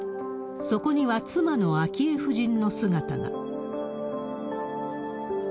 そこには妻の昭恵夫人の姿が。